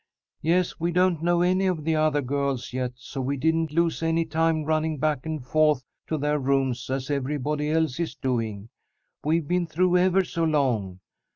"Yes, we don't know any of the other girls yet, so we didn't lose any time running back and forth to their rooms, as everybody else is doing. We've been through ever so long.